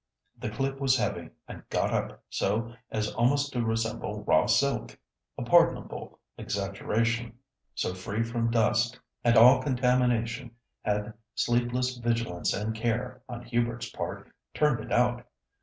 The clip was heavy, and "got up" so as almost to resemble raw silk—a pardonable exaggeration—so free from dust and all contamination had sleepless vigilance and care on Hubert's part "turned it out."